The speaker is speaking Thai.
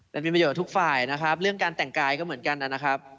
มันมีประโยชน์ทุกฝ่ายนะครับเรื่องการแต่งกายก็เหมือนกันนะครับ